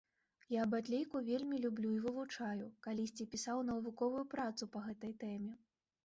Я батлейку вельмі люблю і вывучаю, калісьці пісаў навуковую працу па гэтай тэме.